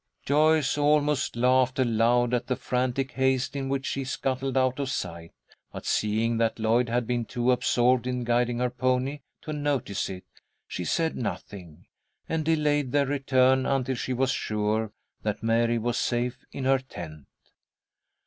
Joyce almost laughed aloud at the frantic haste in which she scuttled out of sight, but seeing that Lloyd had been too absorbed in guiding her pony to notice it, she said nothing, and delayed their return until she was sure that Mary was safe in her tent.